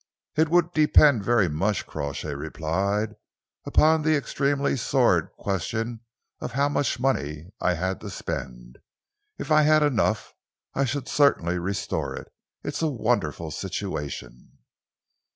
"It would depend very much," Crawshay replied, "upon the extremely sordid question of how much money I had to spend. If I had enough, I should certainly restore it. It's a wonderful situation."